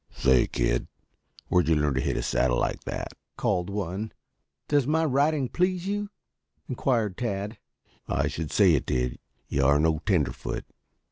"Say, kid, where'd you learn to hit a saddle like that?" called one. "Does my riding please you?" inquired Tad. "I should say it did. You are no tenderfoot."